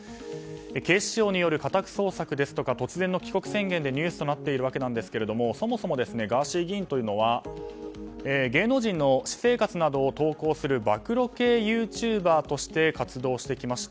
警視庁による家宅捜索ですとか突然の帰国宣言でニュースになっているわけですがそもそもガーシー議員というのは芸能人の私生活などを投稿する暴露系ユーチューバーとして活動してきました。